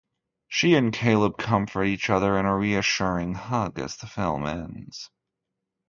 She and Caleb comfort each other in a reassuring hug as the film ends.